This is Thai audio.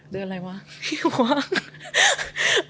เดือนอะไรวะไม่ว่ะ